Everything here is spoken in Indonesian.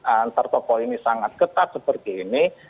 antar tokoh ini sangat ketat seperti ini